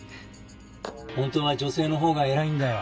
本当は女性の方が偉いんだよ。